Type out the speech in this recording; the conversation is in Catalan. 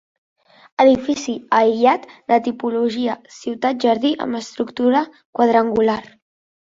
Edifici aïllat de tipologia ciutat-jardí amb estructura quadrangular.